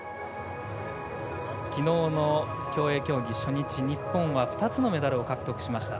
きのうの競泳競技初日日本は２つのメダルを獲得しました。